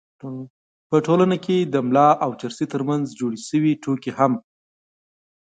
په ټولنه کې د ملا او چرسي تر منځ جوړې شوې ټوکې هم